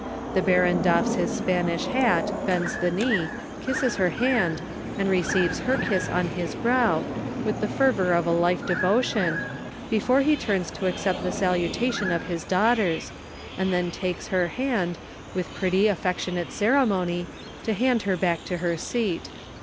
The Baron doffs his Spanish hat, bends the knee, kisses her hand, and receives her kiss on his brow, with the fervour of a life devotion, before he turns to accept the salutation of his daughters, and then takes her hand, with pretty affectionate ceremony, to hand her back to her seat.